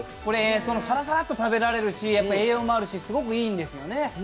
さらさらっと食べられるし栄養もあるし、すごくいいんですよね。